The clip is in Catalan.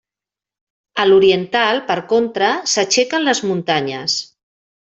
A l'oriental, per contra, s'aixequen les muntanyes.